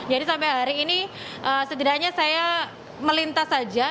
jadi sampai hari ini setidaknya saya melintas saja